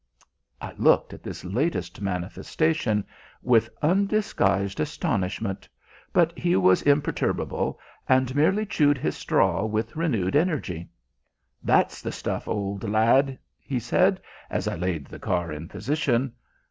I looked at this latest manifestation with undisguised astonishment, but he was imperturbable, and merely chewed his straw with renewed energy. "That's the stuff, old lad," he said, as I laid the car in position.